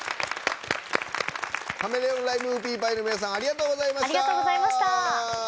カメレオン・ライム・ウーピーパイの皆さんありがとうございました。